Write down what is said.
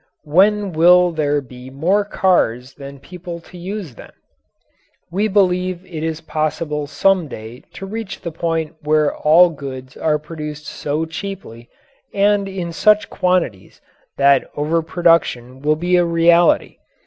When will there be more cars than people to use them?" We believe it is possible some day to reach the point where all goods are produced so cheaply and in such quantities that overproduction will be a reality.